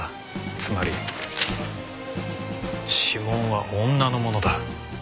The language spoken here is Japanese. つまり指紋は女のものだ。